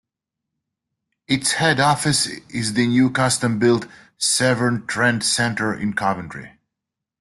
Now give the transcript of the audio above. Its head office is the new custom-built "Severn Trent Centre" in Coventry.